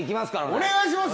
お願いします！